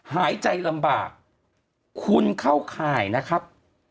หายใจลำบากคุณเข้าข่ายนะครับ